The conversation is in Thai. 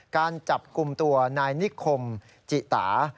การจับกลุ่มตัวนายนิคมจิตา